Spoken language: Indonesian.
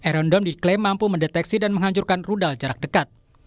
aerondom diklaim mampu mendeteksi dan menghancurkan rudal jarak dekat